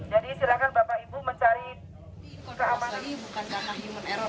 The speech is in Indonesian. jadi silakan bapak ibu mencari keamanan